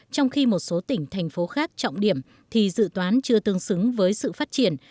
trong khi một số tỉnh thành phố khác trọng điểm thì dự toán chưa tương xứng với sự phát triển